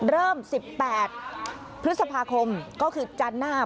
เริ่ม๑๘พฤษภาคมก็คือจันทร์หน้า